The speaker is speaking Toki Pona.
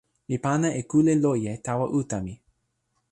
mi pana e kule loje tawa uta mi.